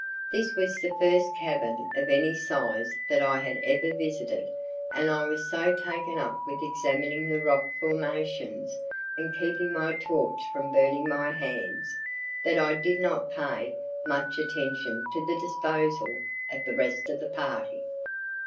This was the first cavern of any size that I had ever visited and I was so taken up with examining the rock formations and keeping my torch from burning my hands that I did not pay much attention to the disposal of the rest of the party.